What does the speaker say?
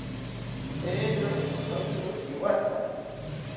Pedero ithotziro iwatha